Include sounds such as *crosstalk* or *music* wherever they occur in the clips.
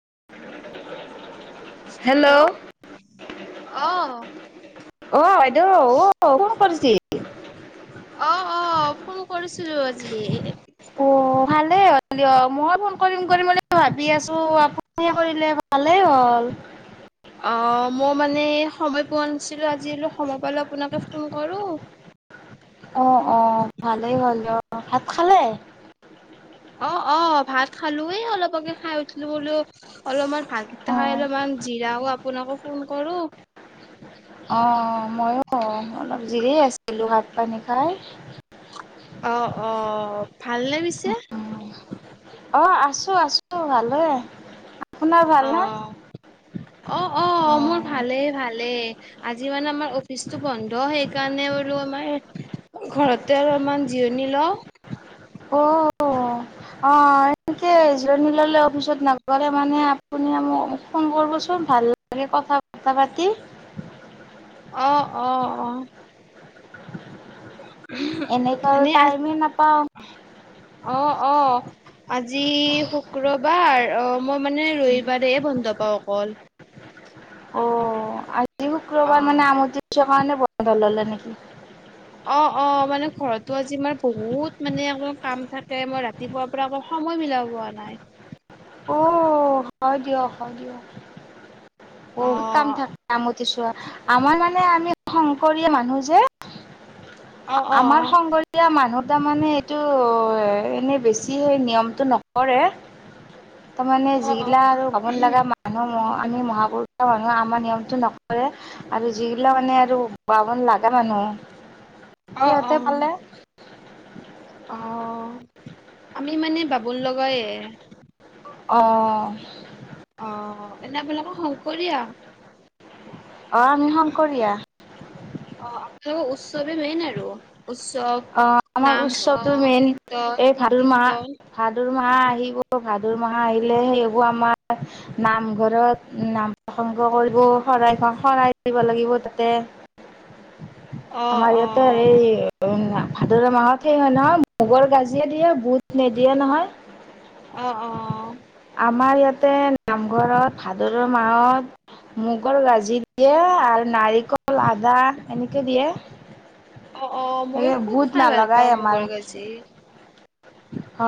*inaudible* Hello আহ আহ বাইদেউ আহ ফোন কৰিছিল অ অ ফোন কৰিছিলো আজি। অ ভালেই হ'ল দিয়ক। মইয় ফোন কৰিম কৰিম বুলি ভাবি আছো আপুনি কৰিলে ভালেই হ'ল। অ মই মানে সময় পোৱা নাছিলো আজি অলপ সময় পালো আপোনাকে ফোন কৰো অ অ ভালেই হ'ল অ ভাত খালে? অ অ ভাত খালোয়েই অলপ আগে খাই উঠিলো বোলো অলপমান ভাত কেইটা অ খাই অলপমান জিৰাও আপোনাকো ফোন কৰো অ মইো অলপ জিৰেই আছিলো ভাত পানী খাই। অ অ ভালনে পিছে অ আছো আছো ভালে আপোনাৰ অ ভালনে। অ অ মোৰ ভালেই ভালেই। যিমানে আমাৰ অফিচটো বন্ধ সেইকাৰণে বোলো আমাৰ। ঘৰতে অলপমান জিৰণি লওঁ। অ অ তী ললে অফিচত নগৰে মানে আপুনি ফোন কৰিবচোন ভাল লাগে কথা ব পাতি আহ আহ আহ। এনেক মানে আজি টাইমে নাপাওঁ অ অ আজি শুক্ৰবাৰ অ মই মানে ৰবিবাৰে দেই হ পাৱ কল অ' আজি শুক্ৰবাৰ মানে অ'। আম দৃশ্য কাৰণে বন্ধ ললে নেকি অ অ মানে ঘৰতো আজি বহুত মানে আকৌ কাম থাকে মই ৰাতিপুৱাৰ পৰা আকৌ সময় মিলাব পোৱা নাই অ হয় দিয়ক হয় দিয়ক বহত কাম অ', থাকে। আমাৰ মানে আমি শংকৰীয়া মানুহ যে অ', আমাৰ অ'। সংঘৰীয়া মানুহ। তাৰমানে এইটো এনেই বেছি সেই নিয়মটো নকৰে। তাৰমানে অ', অ', যিগিলা আৰু ভাবন লগা মানুহ মহ আমি মহাপুৰুষ। মানুহে আমাৰ নিয়মটো নকৰে আৰু যিগিলা মানে আৰু বন লগা মানুহ *inaudible* সিহঁতে অ', পালে অ আমি মানে বাবুল লগাইে অঁ অ এনেবিলাকো শংকৰীয়া অঁ শংকৰিয়া। চবে মেইন আৰু উৎসৱ, অ আমাৰ নাম উৎসৱতো অ' মেইন কীৰ্তন, এই ভাদ মাহ কীৰ্তন ভাদ্ৰ মাহ আহিব ভাদৰ মাহা আহিলে সেইববোৰ আমাৰ নামঘৰত নাম প্ৰসংগ কৰিব শৰাই দিব লাগিব তাতে। উ আমাৰ ইয়াতে এই ভাদৰ মাহত সেই হয় নহয় মগৰ গাজিয়ে দিয়ে বুট নিদিয়ে নহয় আহ অ তে নামঘৰত ভাদৰুৰ মাহত মোগল গাজি দিয়ে আৰু নাৰিকল আদা। এনেকে দিয়ে অ অ এই মইয়ো খুব বুট খাই ভাল নলগাই পাওঁ আমাৰ। মুগৰ গাজি অ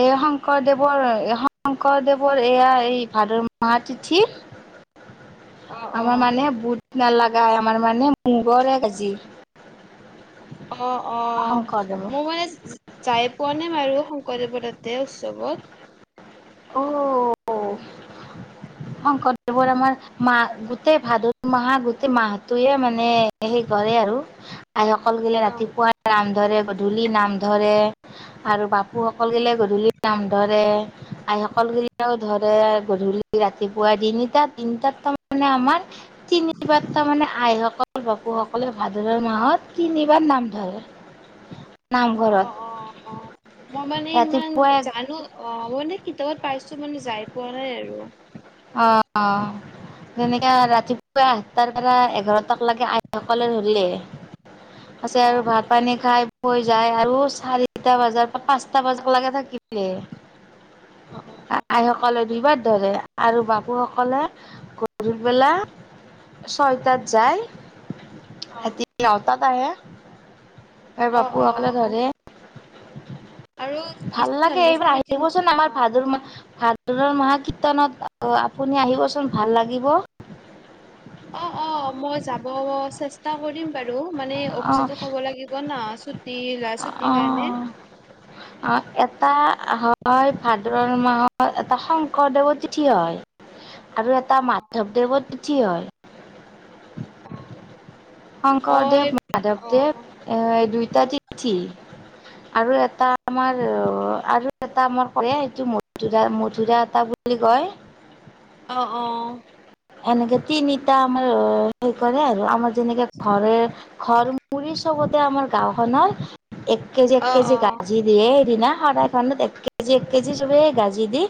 এই সং শংকৰদেৱৰ শংকৰদেৱৰ এয়া এই ভাদৰ মাহৰ তিথি। অ অ আমাৰ মানেহে বুত নালাগায় আমাৰ মানে মগৰ কজিৰ অ অ মোৰ মানে যাই পোৱা নাই বাৰু শংকৰদেৱৰ দাদ তেওঁ চবত অ। *unintelligible* শংকৰদেৱৰ আমাৰ মাহ গোটেই ভাদ মাহা গোটেই মাহটোয়ে মানে সেই কৰে ধ আৰু আইসকল গলে অ ৰাতিপুৱাই নাম ধৰে গধূলি নাম ধৰে আৰু বাপুসকল গলে গধূলি নাম ধৰে। আইসকল ধৰে গধূলি ৰাতিপুৱা তিনিটাত তিনিটাত তাৰমানে আমাৰ। তিনিবাৰ তাৰমানে আইসকল বাপু সকলে ভাদৰ মাহত তিনিবাৰ নাম ধৰে। অ নামঘৰত অ মই মানে ইমান ৰাতিপুৱা জানো অ মই মানে কিতাপত পাইছো মানে যাই পোৱা নাই আৰু। অ তেনেকাে ৰাতিপুৱা সাতটাৰ পৰা এঘাৰটা লাগে আইসকলে ধৰিলে। আছে অ আৰু ভাত পানী খাই হৈ যায় আৰু চাৰিটা বজাৰ পৰা পাঁচটা বজাত লাগে থাকিলে। অ আই সকলে দুবাৰ ধৰে। আৰু বাপুসকলে ঘূৰিবেলা ছয়টাত যায়। অ তিয়া লওতাত আহে আৰু অ বাপু অ অ সকলে ধৰে। আৰু ভাল কৃষ্ণ লাগে এইবাৰ জন্মাষ্টমীৰ দিনা আহিবচোন অ আমাৰ ভাদুৰ মা ভাদ মহ কীৰ্তনত আপুনি আহিবচোন ভাল লাগিব। অ অ মই যাব চেষ্টা কৰিম। বাৰু মানে অ' অফচো ক'ব লাগিব না ছুটি ল অ' ছুটিৰ কাৰণে। অ' এটা হয় ভাদ মাহত এটা শংকৰদেৱৰ তিথি হয়। *unintelligible* আৰু এটা অ মাধৱ দেৱ তিথি হয় হ শংকৰদেৱ মাধৱদেৱ এ দুইটা তিথি আৰু এটা আমাৰ আৰু এটা আমাৰ কৰে সেইটো ম মধুৰা এটা বুলি কয়। আহ আহ এনেকে তিনিটা আমাৰ স কৰে আৰু আমাৰ যেনেকে ঘৰে ঘৰ মুৰি চবতে আমাৰ গাওখনৰ এক কেজি এক অ অ কেজি গাজি দি সেইদিনা সদ খত এক কেজি এক কেজি চবে গাজি দি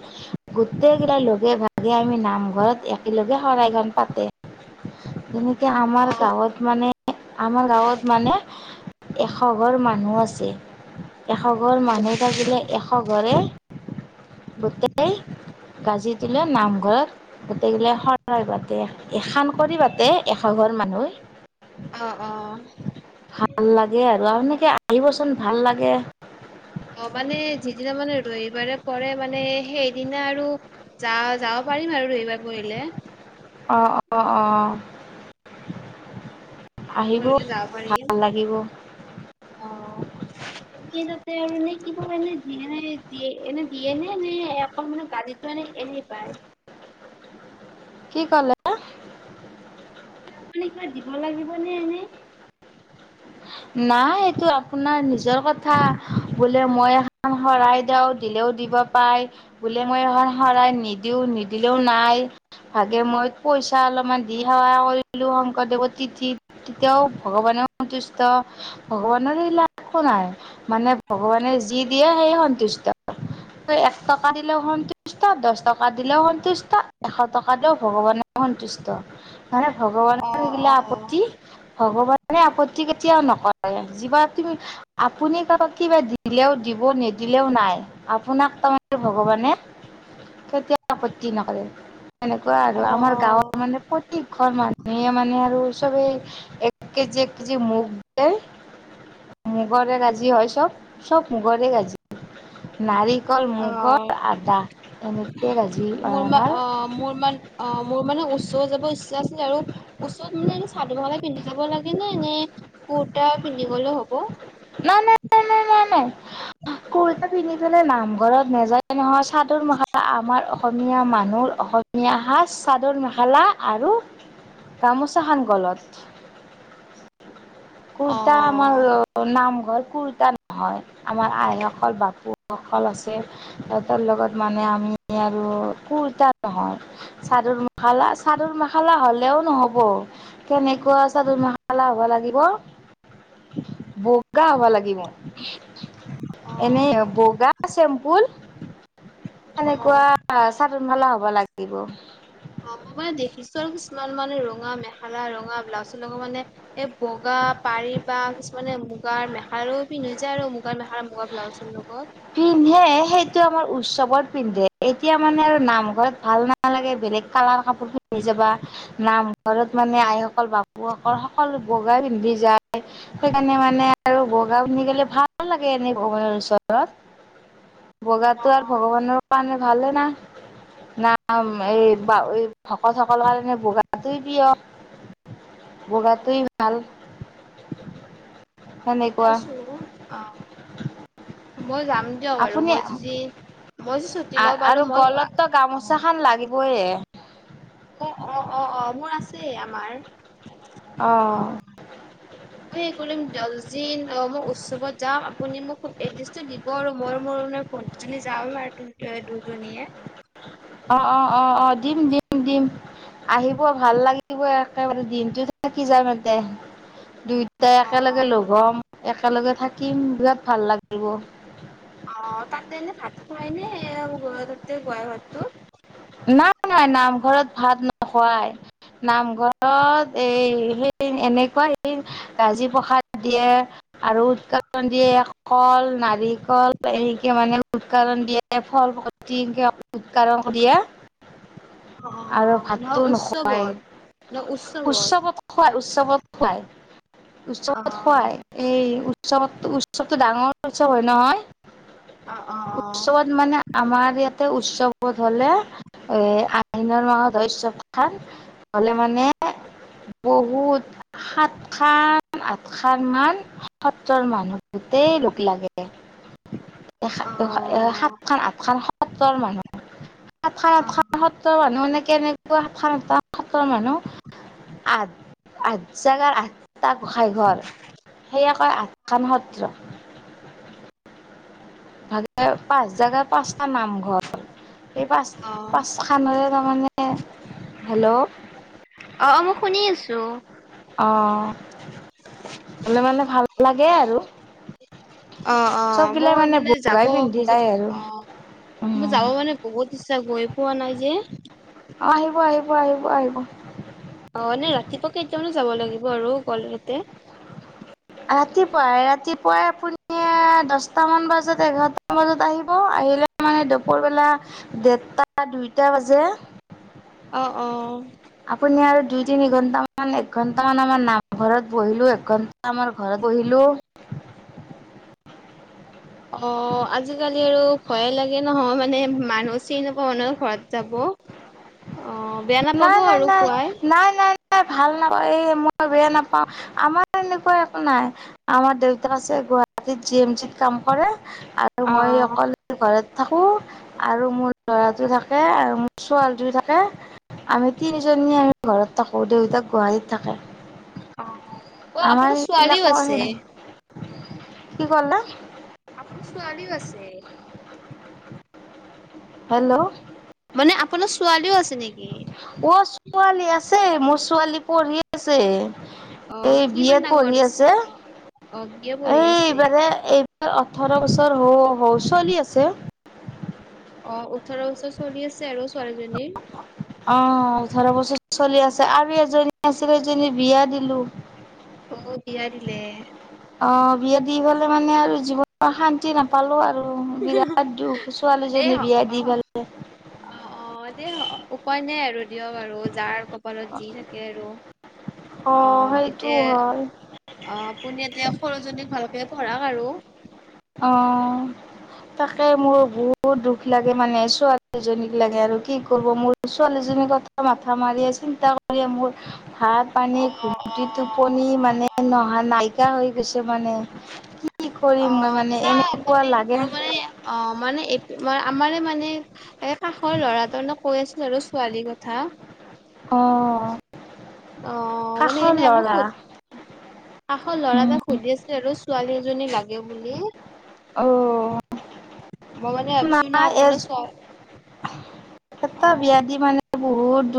গোটেই কেইলাই লগে ভাগে আমি নাম ঘৰত একেলগে শৰাই ঘ পাতে *unintelligible* যেনেকে আমাৰ প গাঁৱত মানে আমাৰ গাঁৱত মানে এশ ঘৰ মানুহ আছে এশ ঘৰ মানুহ থাকিলে এশ ঘৰে। গোটেই গাজি দিলে নামঘৰত গোটেইকিলা শৰাই পাতে এখন কৰি পা এশ ঘৰ মানুহ অ অ ভাল লাগে আৰু আ আহিবচোন ভাল লাগে অঁ, মানে যিদিনা মানে, ৰবিবাৰে পৰে মানে সেইদিনা আৰু যা- যাব পাৰিম আৰু এইবাৰ কৰিলে। অঁ, অঁ, অঁ এইবাৰ পৰিলে যাব পাৰি। অঁ, কিন্তু তে মানে, কিন্তু মানে, দিয়াই দিয়ে। এনে দিয়ে নে? নে অকল মানে, গালিটো এনে, এনেই পাৰে? কি কলে বা? ভাত-পানী খাই দিব লাগিব নে? এনেই নাই, এইটো আপোনাৰ নিজৰ কথা। বোলে মই এখন শৰাই দিওঁ, দিলেওঁ দিব পাই। বোলে মই শৰাই নিদিওঁ, নিদিলেওঁ নাই ভাগে মই পইচাঁ অলপমান দি সেৱা কৰিলোঁ শংকৰদেৱৰ তিথিত। তেতিয়াও ভগৱানে নে সন্তুষ্ট ত ' ভগৱানৰ এইবিলাক একো নাই। মানে, ভগৱানে যি দিয়ে সেয়ে সন্তুষ্ট। ত' এক টকা দিলেওঁ সন্তুষ্ট, দচ টকা দিলেওঁ সন্তুষ্ ট্‌, এশ টকা দিলেওঁ ভগৱানে সন্তুষ্ট। মানে, ভগৱানে অ লাগিলে অ আপত্তি, ভগৱানে আপত্ ত্তি কেতিয়াও নকৰে। যিবা কিবা, আপুনি কাবাক কিবা দিলেওঁ দিব, নিদিলেওঁ নাই। আপোনাক তাৰমানে ভগৱানে কেতিয়াও আপত্তি নকৰে। সেনেকুৱা আৰু অ আমাৰ গাঁৱৰ মানে, প্ৰতি ঘৰ মানুহে মানে আৰু চবেই এককেজি, এককেজি মগুদাইল মগুৰে আজি হ'য় চব, চব মগুৰে আজি নাৰিকল, অ অ মগুৰ, আদা এনেকে আজি আমাৰ অঁ, মোৰ মানে ওচ্‌ চাব যাবৰ ইচ্ছা আছিলে আৰু ওচৰত মানে এ চাদৰ মেখেলা পিন্ধি যাব লাগে নে? নে কুৰ্তা পি পিন্ধি গ'লেও হ'ব। নাই, নাই, নাই, নাই, নাই, নাই। কুুৰ্টা পিন্ধিপেলাই নামঘৰত নেযায় নহয় চ্‌ চাদৰ -মেখেলা আমাৰ অস্‌ অসমীয়া মানুহৰ, অসমীয়া সাজ, চাদৰ -মেখেলা আৰু গামোচাখন গলত। *unintelligible* অ কুৰ্টা আমাৰ ৰ নাম্‌ ঘৰত কুৰ্টা নহয়। আমাৰ আইসকল, বাপুসকল আছে সিহঁতৰ লগত মানে আমি আৰু কুৰ্টাত নহয়, চাদৰ -মেখেলা, চাদৰ- মেখেলা হ'লেও নহ্‌ হ'ব। কেনেকুৱা চাদৰ- মাখেলা হ'ব লাগিব? বগা হ'ব লাগিব। অ এনেই বগা, চেম্পুল। সেনেকুৱা অ চাদৰ-মেখেলা হ'ব লাগিব। অঁ, মই দেখিছো আৰু কিছুমান মানে, ৰঙা মেখেলা ৰঙা, ব্লাউজ লগত মানে এ বগা পাৰি বা কিছুমানে মুগাৰ মেখে আৰু পিন্ধিযায় আৰু। মুগাৰ মেখেলা, মুগাৰ ব্লাউজৰ লগত। পিন্ধে, সেইটো আমাৰ উৎসৱত পিন্ধে। এতিয়া মানে আৰু নামঘৰত ভাল নালাগে বে *unintelligible* বেলেগ কালাৰ কাপোৰ পিন্ধি যাবা নাম্‌ ঘৰত মানে আইসকল, বাপুসকল সকলো বগাই পিন্ধি যায়। সেইকাৰণে মানে আৰু বগ্‌ *unintelligible* বগা পিন্ধি গ'লে ভালো লাগে, এনেই ভগৱানৰ ওচৰ ৰত। অ বগাটো আৰু অ ভগৱানৰ কাৰণে ভালে না। নাম। এই এই ভকত -ভকতসলৰ কাৰণে বগাটোৱেই প্ৰীয়। বগাটোৱেই ভাল। সেনেকুৱা চাইছো অঁ, অঁ মই যাম দিয়ক আৰু। আপুনি মই যি মই ছুটি লম আৰু মই, আ বয়ে অ অ অ অ মোৰ আছে আমাৰ। অ সেই কৰি। দছ দিন অ মই উৎসৱত যাম আপুনি মোক খুব এড্ৰেছটো দিব আৰু মই মোৰ। *unintelligible* দুজনী যাম *unintelligible* দুজনীয়ে অ অ অ অ দিম দিম দিম। আহিব ভাল লাগিব একেবাৰে দিনটোত থ কি যামতে ইয়াতে দু। তাই অ অ একেলগে লগ হ'ম একেলগে থাকিম বিৰাট ভাল লাগিব। অ তাতে এনে ভাত খুৱাই নে তাতে গো *unintelligible* ঘাটো। খুৱাই *unintelligible* নামঘৰত এই সেই এনেকুৱা গাজি প্ৰসাদ দিয়ে। আৰু উৎসন দিয়ে কল। নাৰিকল এনেকৈ মানে উৎকাৰণ দিয়ে ফল প্ৰতি একৈ উৎকাৰণ দিয়ে। *unintelligible* অ আৰু ভাতটো নহয় নোখুৱাই। উৎসৱত উৎসৱত খোৱায় উৎসৱত খুৱায়। অ উৎসৱত খুৱাই এই উৎসৱত উৎসৱতটো ডাঙৰ উৎসৱ হয় নহয়। অ অ উৎসৱত মানে আমাৰ ইয়াতে উৎসৱত হলে। এ আহইনৰ মাহত শৈশৱ খান হলে মানে। *unintelligible* বহুত সাতশান আঠশান মান সত্ৰৰ মানুহ। তেই লোক লাগে। অ সাতখন আতখন খান সত্তৰ মানুহ। আঠশ আঠশ সত্ৰ মানুহ এনেকে। কেনেকুৱা সাত সাত মানুহ আঠ আঠ জাগাৰ আঠ। এ গোঁসাঁইঘৰ সেয়াকৈ আঠখন সত্ৰ। ভাগে পাঁচ জাগাৰ পাঁচটা নামঘৰ। সেই পাঁচ অ পাঁচখানৰে তাৰমানে হেল্ল'। অ অ মই শুনি আছো। অ হলে মানে ভাল লাগে আৰু। অ অ চবগিলাই মই মানে যাব বগাই পিন্ধি বহুত যায় আৰু অ। মোৰ উম যাব মানে বহুত ইচ্ছা গৈ পোৱা নাই যে। অ আহিব আহিব আহিব আহিব। অ নে ৰাতিপুৱা কেইটামানো যাব লাগিব আৰু গল ইতে। ৰাতিপুৱাই ৰাতিপুৱাই আপুনি দহটামান বজাত এঘাৰটামান বজাত আহিব আহিলে। মানে দুপৰবেলা দেৰটা দুইটা বাজে। অ। আপুনি আৰু। দুই তিনি ঘণ্টামান একঘণ্টামান আমাৰ নামঘৰত বহিলো একঘণ্টা আমাৰ ঘৰত বহিলোঁ। *unintelligible* অ আজিকালি আৰু ভয়ে লাগে নহয় মানে। মানুহ চিনি নোপোৱা মানুহ ঘৰত যাব। অ বেয়া নাপাব নাই নাই আৰু নাই কোৱাই নাই নাই। এ ভাল নাপাওঁ এ মই বেয়া নাপাও আমাৰ এনেকুৱা একো নাই আমাৰ দেউতা আছে। গুৱাহাটীত জি এম চিত ত কাম কৰে আৰু অ মই অকলে ঘৰত। থাকো আৰু মোৰ ল'ৰাটো থাকে আৰু মোৰ ছোৱালীটো থাকে। তে আমি তিনিজনী আমি ঘৰত থাকো দেউতাক গুৱাহাটীত থাকে। অ অ আমাৰ আপোনাৰ ছোৱালীও এইবিলাকো সে আছে নাই কি কলে। আপোনাৰ ছোৱালীও আছে। হেল্ল' মানে আপোনাৰ ছোৱালীও আছে নেকি। অ ছোৱালী আছে মোৰ ছোৱালী পঢ়ি আছে। অ এই বি কিমান এড ডাঙৰ পঢ়ি আছে হৈছে অ বিয়ে পঢ়ি এই আছে। এইবাৰে এইবাৰ ওঠৰ বছৰ হ' হ' চলি আছে। অ ওঠৰ বছৰ চলি আছে আৰু ছোৱালীজনীৰ। অ উঠৰ বছৰ চলি আছে আৰু এজনী আছিলে এজনী বিয়া দিলো অ বিয়াদিলে। অ বিয়া দি ফেলে মানে আৰু জীৱনত শান্তি নাপালো আৰু। আৰু বিৰাট দুখ এ ছোৱালীজনী বিয়া দি ফেলে। উপাই আৰু দিয়ক আৰু যাৰ কপালত যি থাকে আৰু। অ সেইটো হয় এতিয়া অপুনি এতে। সৰুজনীক ভালকে পঢ়াক আৰু। অঁ। তাকে মোৰ বহুত দুখ লাগে মানে ছোৱালী জনীক লাগে আৰু কি কৰিব মোৰ ছোৱালীজনী। তেনে কথা মাথা মাৰিয়ে চিন্তা কৰি মোৰ। হাৰ পানী অ অ অ ঘুমটি টোপনি মানে অ নহা নাইকা হৈ গৈছে মানে। কি অ কৰিম গ। এটা মানে মোৰ মানে অ মানে আমাৰে মানে। এই কাষৰ ল'ৰা টো কৈ আছিল আৰু ছোৱালীৰ কথা। অ। অ মানে কাষৰ এনেই আপোনাক ল'ৰা। সুধ কাষৰ ল'ৰাটাক সুধি আছিল আৰু। ছোৱালী এজনী লাগে বুলি। অ' মই মানে ভাবিছো ন নাই এ আপোনাৰ ছোৱা এটা অ বিয়া দি মানে বহুত দোখ